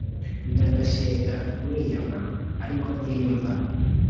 Ndanashega mwiyama ariko ntiyumva